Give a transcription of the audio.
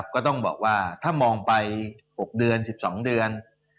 ก็ต้องบอกว่าถ้ามองไป๖เดือน๑๒เดือน